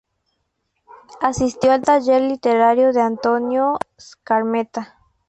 Asistió al taller literario de Antonio Skármeta.